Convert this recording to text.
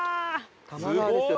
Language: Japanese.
多摩川ですよ